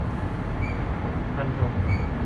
ฟันธง !